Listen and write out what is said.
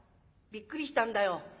びっくりしたんだよ。